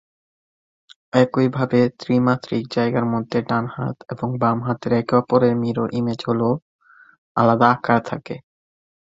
একইভাবে ত্রি-মাত্রিক জায়গার মধ্যে ডান হাত এবং বাম হাতের একে অপরের মিরর ইমেজ হলেও আলাদা আকার থাকে।